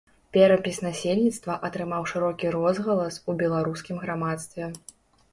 Перапіс насельніцтва атрымаў шырокі розгалас у беларускім грамадстве.